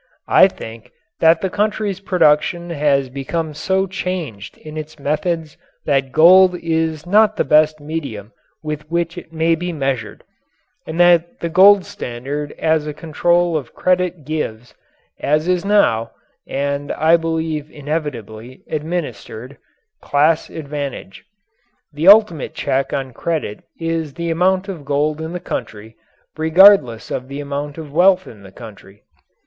I think that the country's production has become so changed in its methods that gold is not the best medium with which it may be measured, and that the gold standard as a control of credit gives, as it is now (and I believe inevitably) administered, class advantage. The ultimate check on credit is the amount of gold in the country, regardless of the amount of wealth in the country.